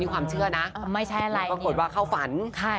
ก็กดว่าเข้าฝัน